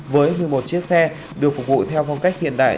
với một mươi một chiếc xe được phục vụ theo phong cách hiện đại